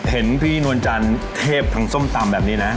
เห็นพี่นวลจันทร์เทพทางส้มตำแบบนี้นะ